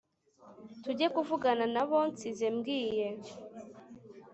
tujye kuvugana nabo nsize mbwiye